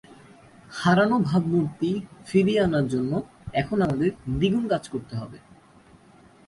হারানো ভাবমূর্তি ফিরিয়ে আনার জন্য এখন আমাদের দ্বিগুণ কাজ করতে হবে।